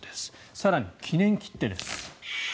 更に、記念切手です。